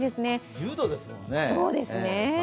１０度ですもんね。